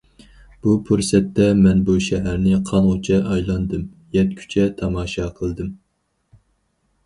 بۇ پۇرسەتتە، مەن بۇ شەھەرنى قانغۇچە ئايلاندىم، يەتكۈچە تاماشا قىلدىم.